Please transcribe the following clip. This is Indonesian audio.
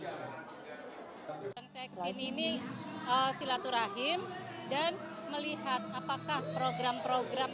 saya kesini ini silaturahim dan melihat apakah program program